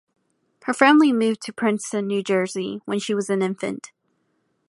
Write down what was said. Her family moved to Princeton, New Jersey when she was an infant.